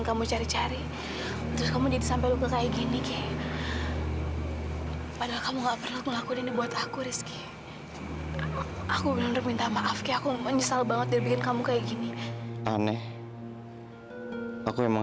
sampai jumpa di video selanjutnya